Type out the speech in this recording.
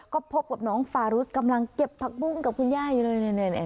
ก็พบกับน้องฟารุสกำลังเก็บผักบุ้งกับคุณย่าอยู่เลย